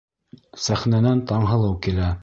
Сәхнәнән Таңһылыу килә.